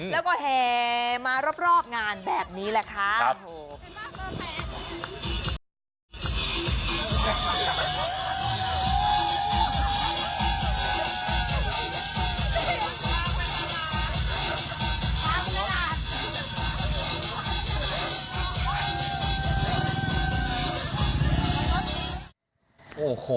แล้วก็แห่มารอบงานแบบนี้แหละค่ะ